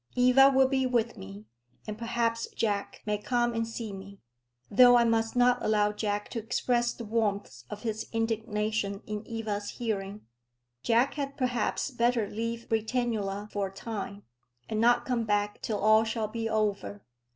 Eva will be with me, and perhaps Jack may come and see me, though I must not allow Jack to express the warmth of his indignation in Eva's hearing. Jack had perhaps better leave Britannula for a time, and not come back till all shall be over.